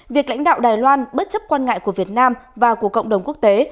việc lãnh đạo đài loan bất chấp quan ngại của việt nam và của cộng đồng quốc tế